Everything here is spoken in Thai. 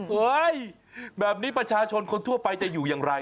เฮ้ยแบบนี้ประชาชนคนทั่วไปจะอยู่อย่างไร